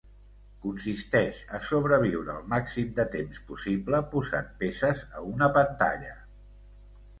Consisteix a sobreviure el màxim de temps possible posant peces a una pantalla.